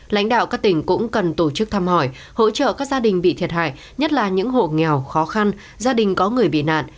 lãnh đạo các tỉnh cũng cần tổ chức thăm hỏi hỗ trợ các gia đình bị thiệt hại nhất là những hộ nghèo khó khăn gia đình có người bị nạn